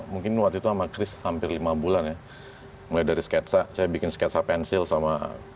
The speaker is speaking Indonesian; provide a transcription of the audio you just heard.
mungkin waktu itu sama chris hampir lima bulan ya mulai dari sketsa saya bikin sketsa pensil sama